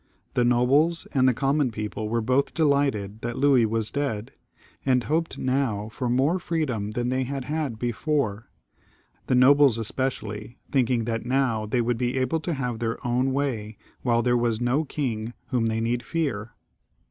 The nobles and the common people were both delighted that Louis was dead, and hoped now for more freedom than they had had before, the nobles especially thinking that now they should be able to have their own way whUe there was no king whom they need fear.